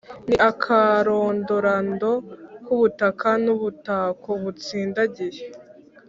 ni akarondorando k’ubutaka n’ubutako butsindagiye